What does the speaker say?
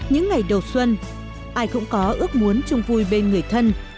những ngày đầu xuân ai cũng có ước muốn chung vui bên người thân